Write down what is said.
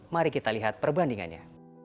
mari kita lihat perbandingannya